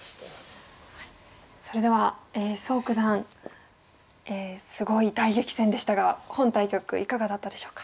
それでは蘇九段すごい大激戦でしたが本対局いかがだったでしょうか？